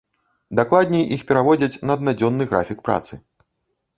Дакладней, іх пераводзяць на аднадзённы графік працы.